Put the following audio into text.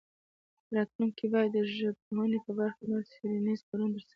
په راتلونکي کې باید د ژبپوهنې په برخه کې نور څېړنیز کارونه ترسره شي.